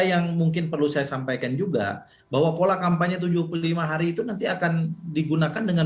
yang mungkin perlu saya sampaikan juga bahwa pola kampanye tujuh puluh lima hari itu nanti akan digunakan dengan